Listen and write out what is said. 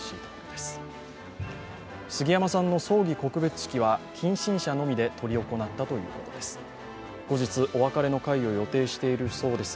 すぎやまさんの葬儀・告別式は近親者のみで執り行ったということです。